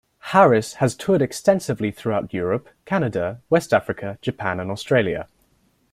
Harris has toured extensively throughout Europe, Canada, West Africa, Japan and Australia.